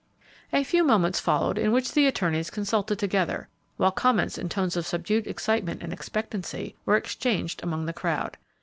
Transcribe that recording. A few moments followed in which the attorneys consulted together, while comments in tones of subdued excitement and expectancy were exchanged among the crowd.